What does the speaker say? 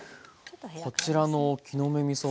こちらの木の芽みそ